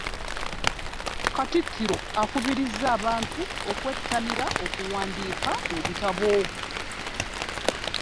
Katikkiro akubirizza abantu okwettanira okuwandiika ebitabo.